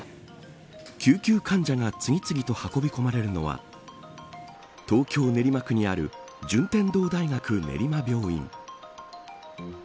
救急患者が次々と運び込まれるのは東京、練馬区にある順天堂大学練馬病院。